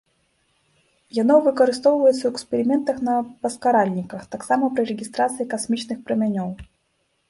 Яно выкарыстоўваецца ў эксперыментах на паскаральніках, таксама пры рэгістрацыі касмічных прамянёў.